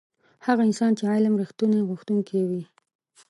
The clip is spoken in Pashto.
هغه انسان چې علم رښتونی غوښتونکی وي.